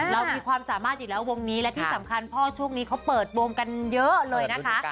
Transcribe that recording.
เรามีความสามารถอยู่แล้ววงนี้และที่สำคัญพ่อช่วงนี้เขาเปิดวงกันเยอะเลยนะคะ